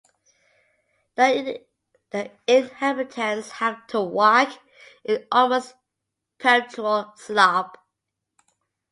The inhabitants have to walk in almost perpetual slop.